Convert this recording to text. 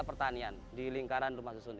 terima kasih teman teman